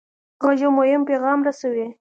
غږ یو مهم پیغام رسوي.